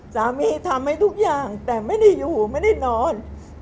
สามีทำให้ทุกอย่างแต่ไม่ได้อยู่ไม่ได้นอน